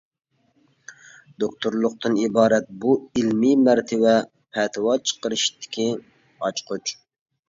دوكتورلۇقتىن ئىبارەت بۇ ئىلمى مەرتىۋە پەتىۋا چىقىرىشتىكى ئاچقۇچ.